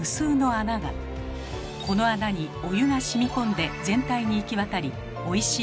この穴にお湯がしみ込んで全体に行き渡りおいしい